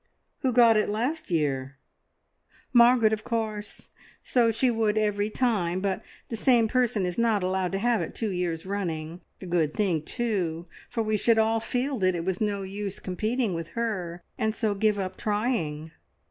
"Who got it last year?" "Margaret, of course. So she would every time, but the same person is not allowed to have it two years running. A good thing, too, for we should all feel that it was no use competing with her, and so give up trying."